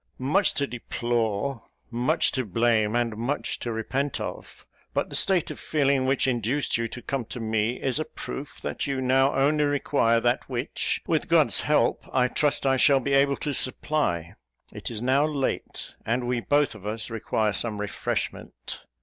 Much to deplore, much to blame, and much to repent of; but the state of feeling which induced you to come to me, is a proof that you now only require that which, with God's help, I trust I shall be able to supply. It is now late, and we both of us require some refreshment.